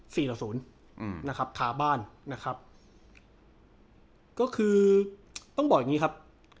ต่อศูนย์อืมนะครับคาบ้านนะครับก็คือต้องบอกอย่างงี้ครับ